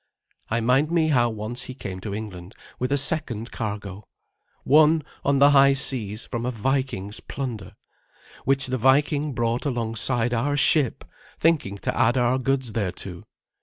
I mind me how once he came to England with a second cargo, won on the high seas from a Viking's plunder, which the Viking brought alongside our ship, thinking to add our goods thereto.